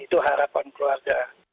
itu harapan keluarga